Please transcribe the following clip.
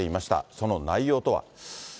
その内容とは。